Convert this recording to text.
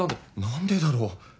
何でだろう？